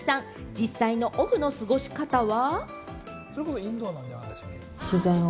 実際のオフの過ごし方は。